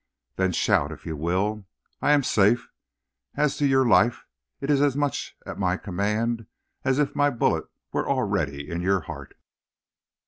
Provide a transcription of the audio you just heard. Then shout, if you will; I am safe. As to your life, it is as much at my command as if my bullet were already in your heart.'